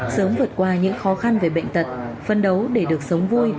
sớm vượt qua những khó khăn về bệnh tật phân đấu để được sống vui